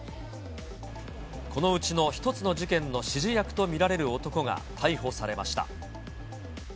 このうちの１つの事件の指示役と見られる男が逮捕されました。